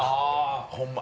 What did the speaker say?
ホンマ